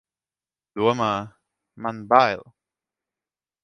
Domā, man bail!